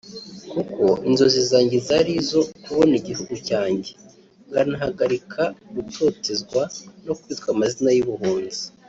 kuko inzozi zanjye zari izo kubona igihugu cyanjye nkanahagarika gutotezwa no kwitwa amazina y’ubuhunzi